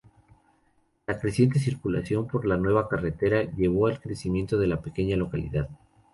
La creciente circulación por la nueva carretera llevó al crecimiento de la pequeña localidad.